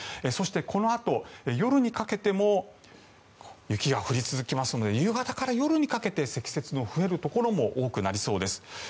そして、このあと夜にかけても雪が降り続きますので夕方から夜にかけて積雪の増えるところも多くなりそうです。